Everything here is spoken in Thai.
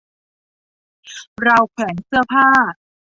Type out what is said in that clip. ราวแขวนเสื้อผ้า